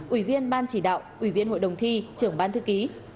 ủy viên ban chỉ đạo ủy viên hội đồng thi trưởng ban thư ký